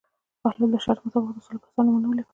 بهلول د شرط مطابق د سلو کسانو نومونه ولیکل.